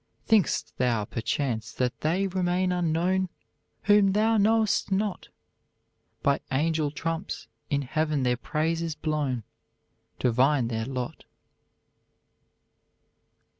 Think'st thou, perchance, that they remain unknown Whom thou know'st not? By angel trumps in heaven their praise is blown, Divine their lot."